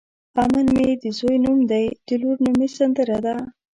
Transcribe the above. امن مې د ځوی نوم دی د لور نوم مې سندره ده.